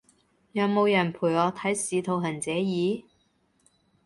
有冇人陪我睇使徒行者二？